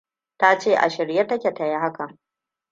Ta ce a shirye ta ke ta yi hakan.